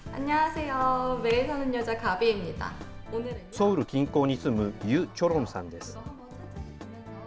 ソウル近郊に住むユ・チョロンさんです。